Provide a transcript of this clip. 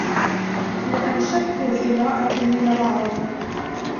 وَأَنْشَدْتُ لِامْرَأَةٍ مِنْ الْعَرَبِ